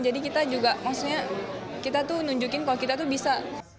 jadi kita juga maksudnya kita tuh nunjukin kalau kita tuh bisa